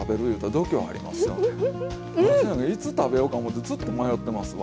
私なんかいつ食べようか思ってずっと迷ってますわ。